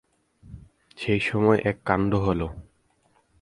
সেই সময় এক কাণ্ড হলো।